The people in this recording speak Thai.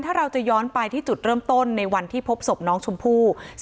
ถ้าเราจะย้อนไปที่จุดเริ่มต้นในวันที่พบศพน้องชมพู่